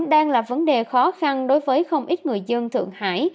đang là vấn đề khó khăn đối với không ít người dân thượng hải